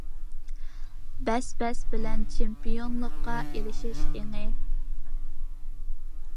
بەس- بەس بىلەن چېمپىيونلۇققا ئېرىشىش ئېڭى.